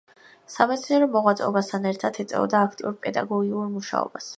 სამეცნიერო მოღვაწეობასთან ერთად ეწეოდა აქტიურ პედაგოგიურ მუშაობას.